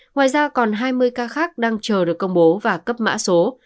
ngoài ra còn hai mươi ca khác đang chờ được công bố và cấp mã số